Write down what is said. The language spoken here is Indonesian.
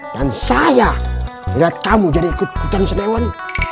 dan saya lihat kamu jadi ikut ikan senewan